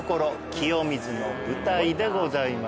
清水の舞台でございます。